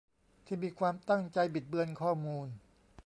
ที่มีความตั้งใจบิดเบือนข้อมูล